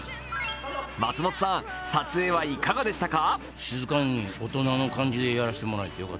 松本さん、撮影はいかがでしたか？